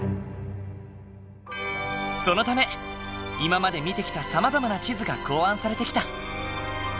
そのため今まで見てきたさまざまな地図が考案されてきた。